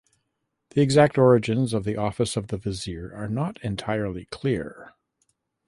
The exact origins of the office of vizier are not entirely clear.